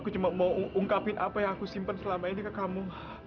aku cuma mau ungkapin apa yang aku simpan selama ini ke kamu